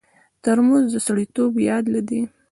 ترموز د سړیتوب یاد دی.